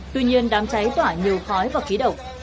tuy nhiên đám cháy tỏa nhiều khói và khí độc